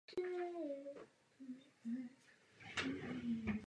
První pokus o přistání byl však odvolán kvůli oblačnosti.